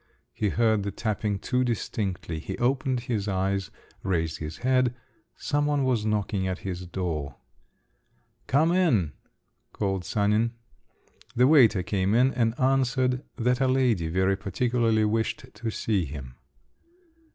he heard the tapping too distinctly; he opened his eyes, raised his head … some one was knocking at his door. "Come in!" called Sanin. The waiter came in and answered that a lady very particularly wished to see him.